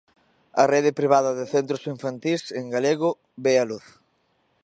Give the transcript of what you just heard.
A rede privada de centros infantís en galego ve a luz.